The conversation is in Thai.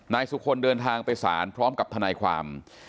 นายสุคลเดินทางไปศาลพร้อมกับทนายความ